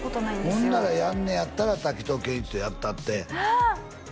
ほんならやんねやったら滝藤賢一とやったってああ！